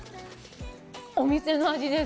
お店の味です